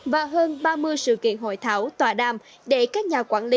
và hơn ba mươi sự kiện hội thảo tòa đàm để các nhà quản lý